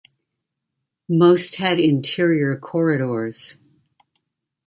Most had interior corridors.